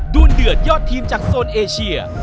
วนเดือดยอดทีมจากโซนเอเชีย